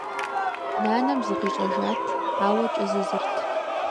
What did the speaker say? Нанэм зыкъищӀэжат, ауэ кӀэзызырт.